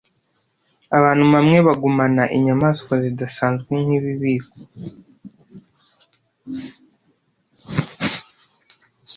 Abantu bamwe bagumana inyamaswa zidasanzwe nkibikoko